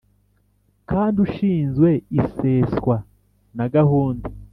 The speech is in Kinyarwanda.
kandi ushinzwe iseswa na gahunda